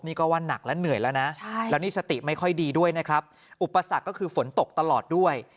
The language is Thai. นี่ก็ว่านักและเหนื่อยแล้วนะแล้วนี่สติไม่ค่อยดีด้วยนะครับอุปสรรคก็คือฝนตกตลอดด้วย